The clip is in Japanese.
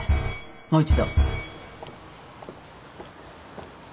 もう一度。